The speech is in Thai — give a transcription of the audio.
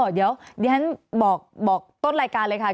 เดี๋ยวบอกต้นรายการเลยค่ะ